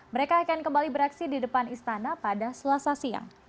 mereka akan kembali beraksi di depan istana pada selasa siang